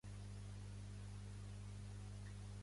El cognom és Garrigues: ge, a, erra, erra, i, ge, u, e, essa.